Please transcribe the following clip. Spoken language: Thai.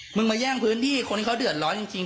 มาแย่งพื้นที่คนที่เขาเดือดร้อนจริง